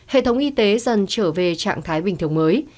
hệ thống y tế dần trở về trạng thái bình thường mới